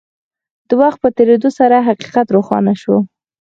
د وخت په تېرېدو سره حقيقت روښانه شو.